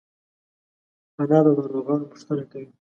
انا د ناروغانو پوښتنه کوي